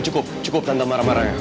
cukup cukup tante marah marahnya